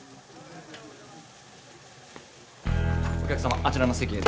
お客様あちらの席へ。